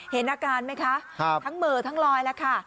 เห็นอาการไหมคะครับทั้งเมอร์ทั้งลอยล่ะค่ะ